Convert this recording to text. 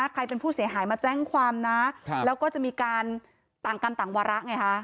ใครเป็นผู้เสียหายมาแจ้งความนะแล้วก็จะมีการต่างกันต่างวาระไงฮะ